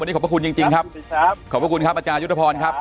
วันนี้ขอบพระคุณจริงครับขอบพระคุณครับอาจารยุทธพรครับ